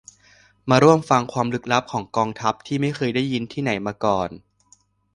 มาร่วมฟังความลึกลับของกองทัพที่ไม่เคยได้ยินที่ไหนมาก่อน